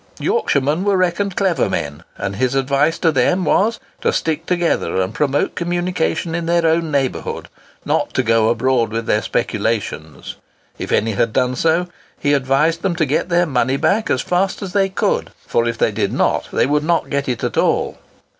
Yorkshiremen were reckoned clever men, and his advice to them was, to stick together and promote communication in their own neighbourhood,—not to go abroad with their speculations. If any had done so, he advised them to get their money back as fast as they could, for if they did not they would not get it at all.